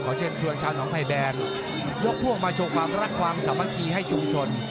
ขอเชิญชวนชาวน้องไผ่แดนพวกพวกมาโชคความรักความสามารถคีย์ให้ชุมชน